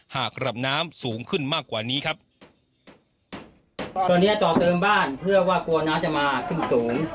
หากระดับน้ำสูงขึ้นมากกว่านี้ครับตอนเนี้ยต่อเติมบ้านเพื่อว่ากลัวน้ำจะมาขึ้นสูง